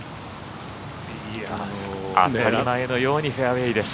当たり前のようにフェアウエーです。